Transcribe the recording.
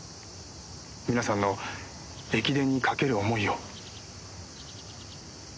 皆さんの駅伝にかける思いを。